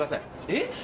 えっ？